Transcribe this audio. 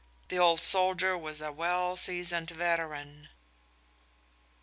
The old soldier was a well seasoned veteran.